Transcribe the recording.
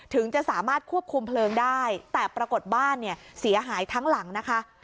ถึงจะสามารถควบคุมเพลิงได้แต่ปรากฏบ้านเนี่ยเสียหายทั้งหลังนะคะ